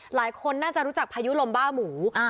หลายคนน่าจะรู้จักพายุลมบ้าหมู